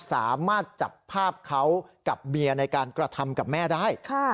สามารถจับภาพเขากับเบียร์ในการกระทำกับแม่ได้